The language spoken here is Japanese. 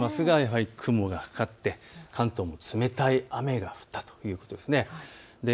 やはり雲がかかって関東も冷たい雨が降ったということです。